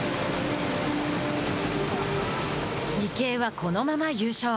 池江はこのまま優勝。